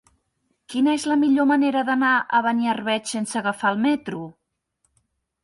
Quina és la millor manera d'anar a Beniarbeig sense agafar el metro?